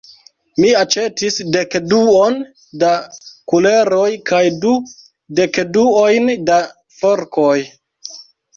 Mi aĉetis dekduon da kuleroj kaj du dekduojn da forkoj.